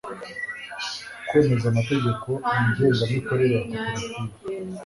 kwemeza amategeko ngengamikorere ya koperative